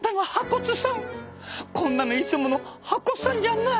こんなのいつもの破骨さんじゃない！